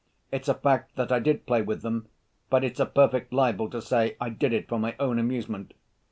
It's a fact that I did play with them, but it's a perfect libel to say I did it for my own amusement.